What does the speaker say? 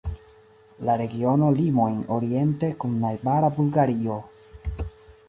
La regiono limojn oriente kun najbara Bulgario.